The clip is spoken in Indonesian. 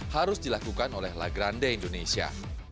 harus dilakukan oleh la grande indonesia